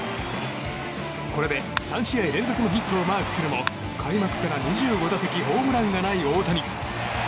これで３試合連続のヒットをマークするも開幕から２５打席ホームランがない大谷。